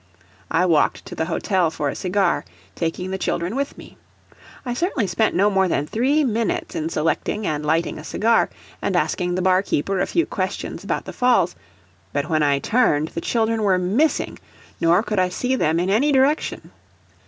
I walked to the hotel for a cigar, taking the children with me. I certainly spent no more than three minutes in selecting and lighting a cigar, and asking the barkeeper a few questions about the Falls; but when I turned, the children were missing, nor could I see them in any direction.